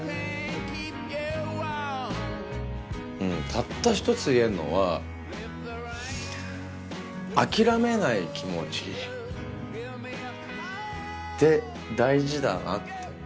たった一つ言えるのは諦めない気持ちって大事だなって。